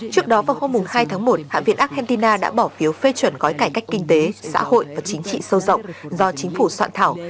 trước đó vào hôm hai tháng một hạ viện argentina đã bỏ phiếu phê chuẩn gói cải cách kinh tế xã hội và chính trị sâu rộng do chính phủ soạn thảo